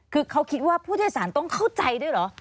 คือเขาคิดว่าผู้โดยสารต้องเข้าใจด้วยเหรอ